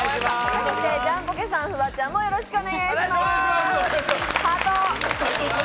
そしてジャンポケさん、フワちゃんもよろしくお願いします。